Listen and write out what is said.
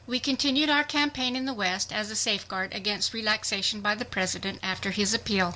We continued our campaign in the West as a safeguard against relaxation by the President after his appeal.